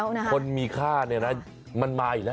อย่างแรกเลยก็คือการทำบุญเกี่ยวกับเรื่องของพวกการเงินโชคลาภ